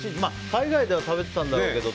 海外では食べてたんだろうけど。